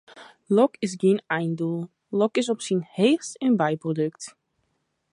Lok is gjin eindoel, lok is op syn heechst in byprodukt.